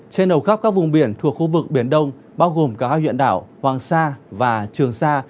trên hầu khắp các vùng biển thuộc khu vực biển đông bao gồm cả hai huyện đảo hoàng sa và trường sa